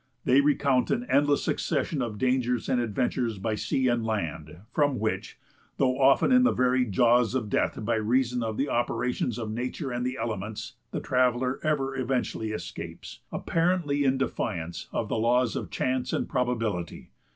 They recount an endless succession of dangers and adventures by sea and land, from which, though often in the very jaws of death by reason of the operations of nature and the elements, the traveller ever eventually escapes, apparently in defiance of the laws of chance and probability.